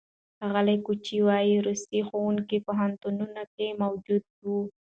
ښاغلي کوچي وايي، روسي ښوونکي پوهنتونونو کې موجود وو.